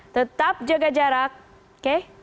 tetap jaga jarak oke